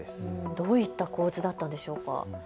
どういった構図だったんでしょうか。